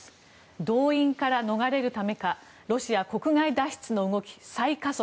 動員から逃れるためかロシア国外脱出の動き再加速。